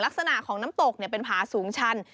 ลักษณะของน้ำตกเป็นผาสูงชัน